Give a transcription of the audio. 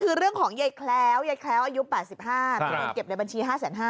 คือเรื่องของยายแคล้วยายแคล้วอายุ๘๕มีเงินเก็บในบัญชี๕๕๐๐